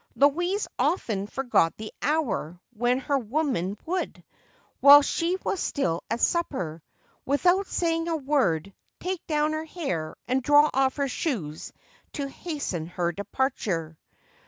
Louise often forgot the hour, when her woman would, while she was still at supper, without saying a word, take down her hair and draw off her shoes to hasten her departure.